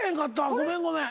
ごめんごめん。